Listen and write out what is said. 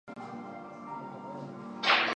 董鲁安早年就读于北京高等师范学校。